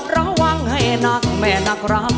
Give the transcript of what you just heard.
ระวังให้หนักแม่นักรัก